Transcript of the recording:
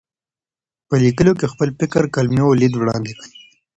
په لیکلو کې خپل فکر، کلمې او لید وړاندې کوي.